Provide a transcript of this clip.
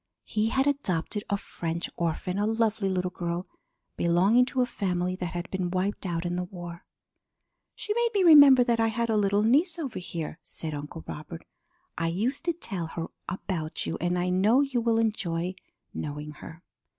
He had adopted a French orphan, a lovely little girl belonging to a family that had been wiped out in the war. "She made me remember that I had a little niece over here," said Uncle Robert. "I used to tell her about you, and I know you will enjoy knowing her."